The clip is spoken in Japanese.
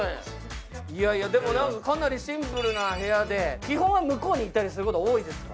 かなりシンプルな部屋で、基本は向こうに行ったりすること多いですか。